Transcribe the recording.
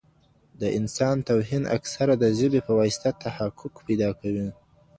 د انسان توهين اکثرا د ژبي په واسطه تحقق پيداکوي.